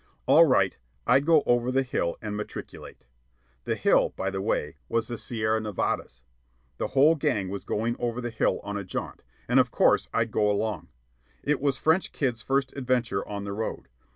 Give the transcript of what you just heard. All right, I'd go over the hill and matriculate. "The hill," by the way, was the Sierra Nevadas. The whole gang was going over the hill on a jaunt, and of course I'd go along. It was French Kid's first adventure on The Road.